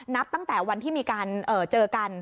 นับตั้งแต่วันที่มีการเจอกัน